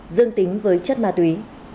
dương tính với chất ma túy